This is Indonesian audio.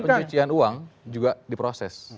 pencucian uang juga diproses